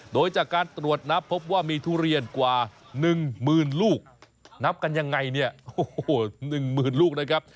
โดยจากการตรวจนับพบว่ามีทุเรียนกว่า๑หมื่นลูกนับกันยังไงเนี่ยโอ้โห๑หมื่นลูกนะครับ